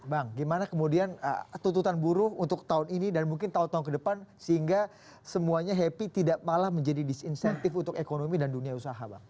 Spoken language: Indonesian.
bang gimana kemudian tuntutan buruh untuk tahun ini dan mungkin tahun tahun ke depan sehingga semuanya happy tidak malah menjadi disinsentif untuk ekonomi dan dunia usaha bang